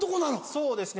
そうですね